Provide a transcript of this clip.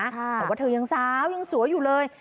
แต่ว่าเธอยังสาวยังสวยอยู่เลย